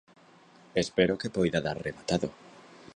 Espero que poida dar rematado.